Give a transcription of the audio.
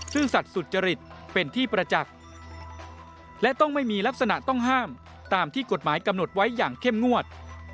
ซึ่งสัตว์สุจริตเป็นที่ประจักษ์และต้องไม่มีลักษณะต้องห้ามตามที่กฎหมายกำหนดไว้อย่างเข้มงวด